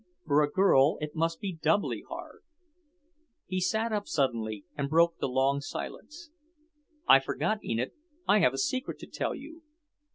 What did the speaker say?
For a girl it must be doubly hard. He sat up suddenly and broke the long silence. "I forgot, Enid, I have a secret to tell you.